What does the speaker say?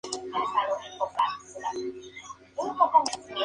Solo formó parte de este grupo.